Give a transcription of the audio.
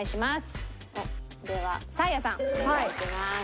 ではサーヤさんお願いします。